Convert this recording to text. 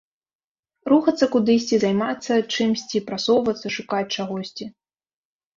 Рухацца кудысьці, займацца чымсьці, прасоўвацца, шукаць чагосьці.